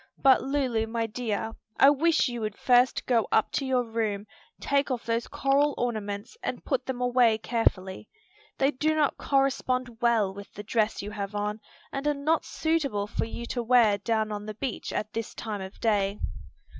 But, Lulu, my dear, I wish you would first go up to your room, take off those coral ornaments and put them away carefully. They do not correspond well with the dress you have on, and are not suitable for you to wear down on the beach at this time of day."